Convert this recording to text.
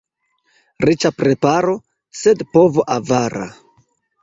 Riĉa preparo, sed povo avara.